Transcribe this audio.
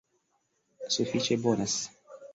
Sufiĉe bonas